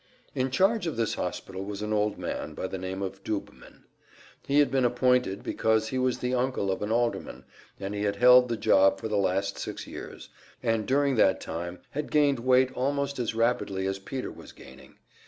In charge of this hospital was an old man by the name of Doobman. He had been appointed because he was the uncle of an alderman, and he had held the job for the last six years, and during that time had gained weight almost as rapidly as Peter was gaining.